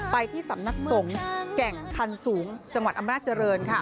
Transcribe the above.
ไปที่สำนักสงฆ์แก่งคันสูงจังหวัดอำนาจเจริญค่ะ